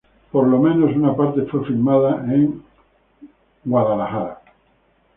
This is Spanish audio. Por lo menos una parte fue filmada en Los Ángeles.